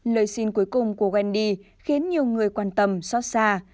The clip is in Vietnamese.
lời xin cuối cùng của wendy khiến nhiều người quan tâm xót xa